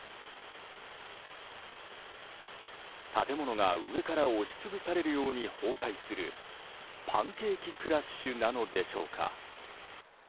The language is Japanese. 建物が上から押し潰されるように崩壊するパンケーキクラッシュなのでしょうか。